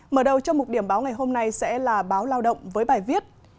mở đầu cho mục điểm báo ngày hôm nay sẽ là báo lao động với bài viết